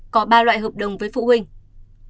có ba loại hợp đồng với phụ huynh